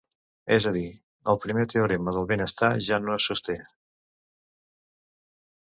És a dir, el primer teorema del benestar ja no es sosté.